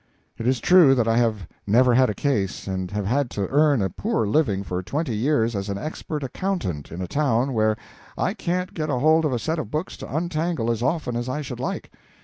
It is true that I have never had a case, and have had to earn a poor living for twenty years as an expert accountant in a town where I can't get hold of a set of books to untangle as often as I should like.